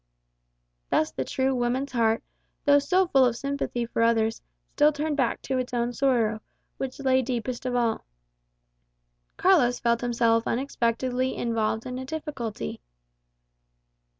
Thus the tree woman's heart, though so full of sympathy for others, still turned back to its own sorrow, which lay deepest of all. Carlos felt himself unexpectedly involved in a difficulty.